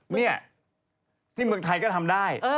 นี่ที่เมืองไทยก็ทำได้